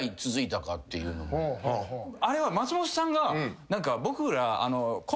あれは松本さんが。